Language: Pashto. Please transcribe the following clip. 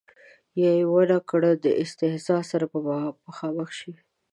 یا یې ور نه کړي د استیضاح سره به مخامخ شي.